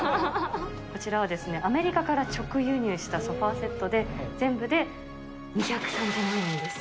こちらはですね、アメリカから直輸入したソファーセットで、全部で２３０万円です。